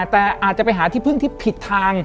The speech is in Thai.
แต่อาจจะไปหาที่พึ่งที่ผิดทาง